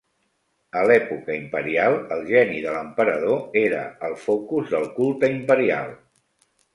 A l'època imperial, el geni de l'emperador era el focus del culte imperial.